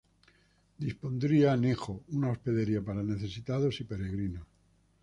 Dispondría anejo, una hospedería para necesitados y peregrinos.